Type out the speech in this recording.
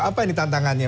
apa ini tantangannya